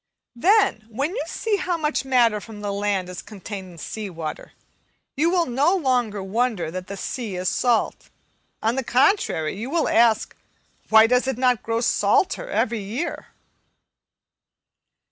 Then, when you see how much matter from the land is contained in sea water, you will no longer wonder that the sea is salt; on the contrary, you will ask, Why does it not grow salter every year?